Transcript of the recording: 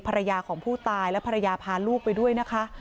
ภรรยาของผู้ตายและภรรยาพาลูกไปด้วยนะคะ